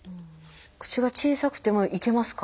口が小さくてもいけますか？